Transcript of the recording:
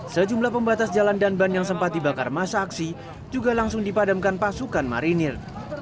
sejumlah pembatas jalan dan ban yang sempat dibakar masa aksi juga langsung dipadamkan pasukan marinir